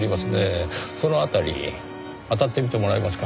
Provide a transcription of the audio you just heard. その辺りあたってみてもらえますか？